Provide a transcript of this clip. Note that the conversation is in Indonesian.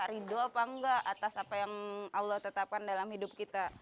ridho apa enggak atas apa yang allah tetapkan dalam hidup kita